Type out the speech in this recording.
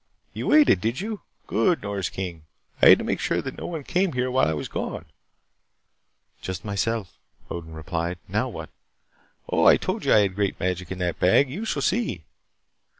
"You waited, did you? Good, Nors King. I had to make sure that no one came here while I was gone." "Just myself," Odin replied. "Now what " "Oh, I told you I had great magic in that bag. You shall see."